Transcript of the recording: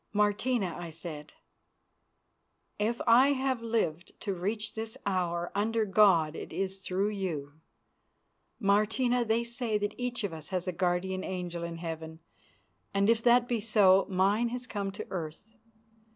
"Martina," I said, "if I have lived to reach this hour, under God it is through you. Martina, they say that each of us has a guardian angel in heaven, and if that be so, mine has come to earth.